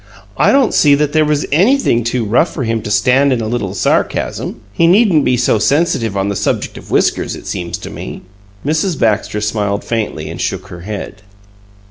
"I don't see that there was anything too rough for him to stand in a little sarcasm. He needn't be so sensitive on the subject of whiskers, it seems to me." Mrs. Baxter smiled faintly and shook her head.